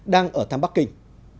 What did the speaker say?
đang ở thăm bắc kinh